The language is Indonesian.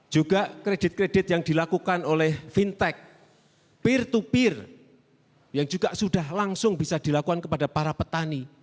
juga kredit kredit yang dilakukan oleh fintech peer to peer yang juga sudah langsung bisa dilakukan kepada para petani